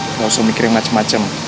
nggak usah mikirin macem macem